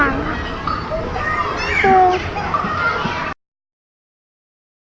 น้องน้องได้อยู่ทั้งส่วน